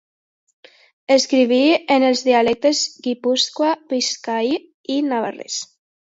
Escriví en els dialectes guipuscoà, biscaí i navarrès.